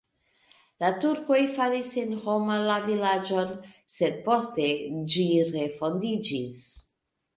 La turkoj faris senhoma la vilaĝon, sed poste ĝi refondiĝis.